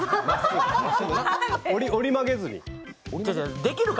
折り曲げずに。